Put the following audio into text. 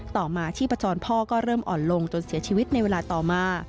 ต่อมาชีพจรพ่อก็เริ่มอ่อนลงจนเสียชีวิตในเวลาต่อมา